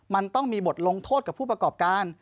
มันต้องมีบทลงโทษกับผู้ประกอบการ